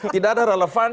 tidak ada relevan